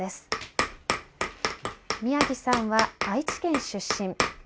宮城さんは愛知県出身。